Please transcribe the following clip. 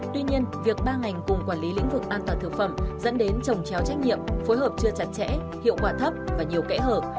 tuy nhiên việc ban hành cùng quản lý lĩnh vực an toàn thương phẩm dẫn đến chổng chéo trách nhiệm phối hợp chưa chặt chẽ hiệu quả thấp và nhiều kẽ hở